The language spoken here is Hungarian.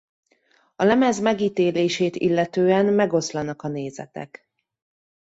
A lemez megítélését illetően megoszlanak a nézetek.